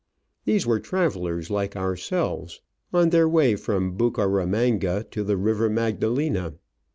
These were travellers like ourselves, on their way from Bucaramanga to the River Magdalena.